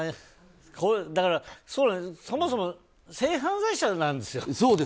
そもそも性犯罪者なんですよ。